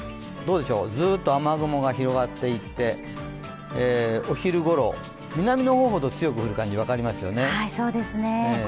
ずっと雨雲が広がっていってお昼ごろ、南の方ほど強く降る感じ、分かりますよね。